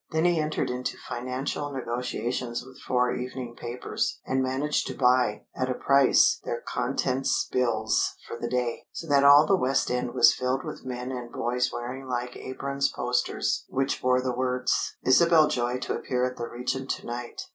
Then he entered into financial negotiations with four evening papers and managed to buy, at a price, their contents bills for the day. So that all the West End was filled with men and boys wearing like aprons posters which bore the words: "Isabel Joy to appear at the Regent to night."